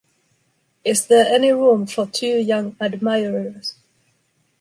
Is there any room for two young admirers?